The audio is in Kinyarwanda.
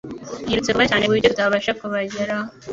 Yirutse vuba cyane kuburyo tutabasha kubageraho